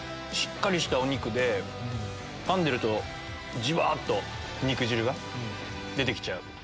しっかりしたお肉でかんでるとじわっと肉汁が出て来ちゃう。